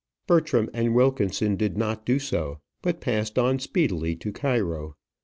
Bertram and Wilkinson did not do so, but passed on speedily to Cairo.